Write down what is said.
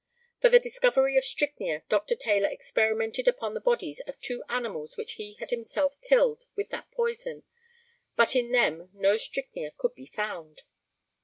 For the discovery of strychnia, Dr. Taylor experimented upon the bodies of two animals which he had himself killed with that poison, but in them no strychnia could be found.